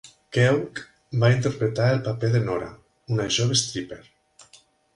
Keough va interpretar el paper de Nora, una jove stripper.